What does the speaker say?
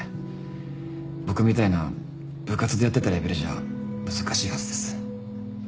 僕みたいな部活でやってたレベルじゃ難しいはずです。